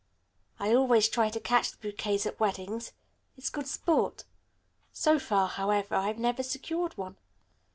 I always try to catch the bouquets at weddings. It's good sport. So far, however, I've never secured one."